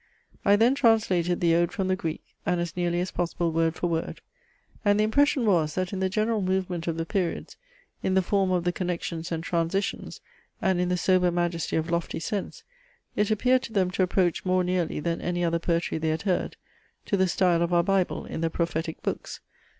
I then translated the ode from the Greek, and as nearly as possible, word for word; and the impression was, that in the general movement of the periods, in the form of the connections and transitions, and in the sober majesty of lofty sense, it appeared to them to approach more nearly, than any other poetry they had heard, to the style of our Bible, in the prophetic books.